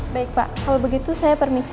baik pak kalau begitu saya permisi